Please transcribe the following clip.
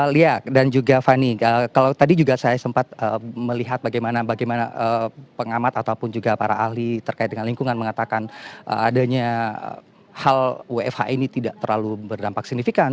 lia dan juga fani kalau tadi juga saya sempat melihat bagaimana pengamat ataupun juga para ahli terkait dengan lingkungan mengatakan adanya hal wfh ini tidak terlalu berdampak signifikan